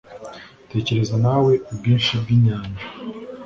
tekereza nawe ubwinshi bw'inyanja